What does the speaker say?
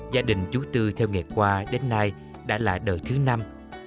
gia đình chú tư theo nghề khoa đến nay đã là đời thứ năm